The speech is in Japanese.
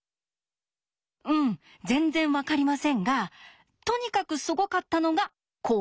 うん全然分かりませんがとにかくすごかったのがこれ。